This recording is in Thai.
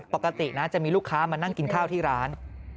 ปกตินะจะมีลูกค้ามานั่งกินข้าวที่ร้าน